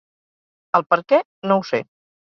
El perquè, no ho sé.